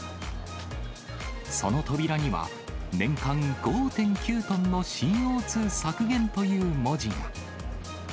その扉には、年間５．９トンのＣＯ２削減という文字が。